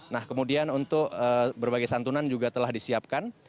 nah kemudian untuk berbagai santunan juga telah disiapkan